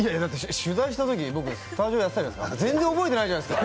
取材したとき、僕、スタジオやってたじゃないですか。